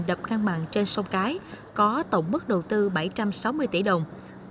đập ngang mạng trên sông cái có tổng mức đầu tư bảy trăm sáu mươi tỷ đồng